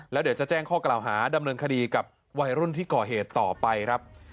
แล้วเดี๋ยวจะแจ้งข้อกล่าวหาดำเนินคดีกับวัยรุ่นที่ก่อเหตุต่อไปครับ